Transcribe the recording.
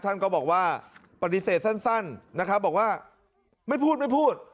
ท่านก็บอกว่าปฏิเสธสั้นนะครับบอกว่าไม่พูดไม่พูด